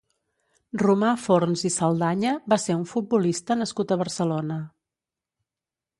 Romà Forns i Saldaña va ser un futbolista nascut a Barcelona.